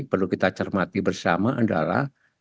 perlu kita cermati bersama adalah